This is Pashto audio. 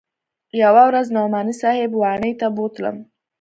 يوه ورځ نعماني صاحب واڼې ته بوتلم.